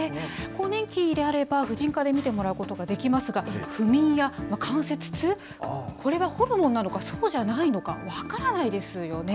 更年期であれば、婦人科で診てもらうことができますが、不眠や関節痛、これはホルモンなのか、そうじゃないのか、分からないですよね。